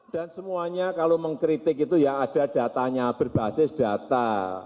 dan semuanya kalau mengkritik itu ya ada datanya berbasis data